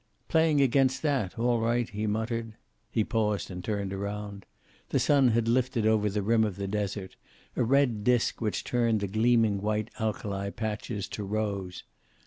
"Playing against that, all right," he muttered. He paused and turned around. The sun had lifted over the rim of the desert, a red disc which turned the gleaming white alkali patches to rose.